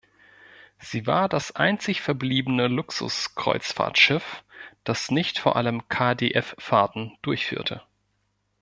Sie war das einzig verbliebene Luxus-Kreuzfahrtschiff, das nicht vor allem KdF-Fahrten durchführte.